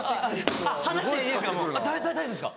話していいですか？